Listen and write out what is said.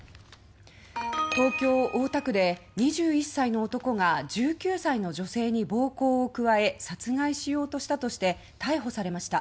東京・大田区で２１歳の男が１９歳の女性に暴行を加え殺害しようとしたとして逮捕されました。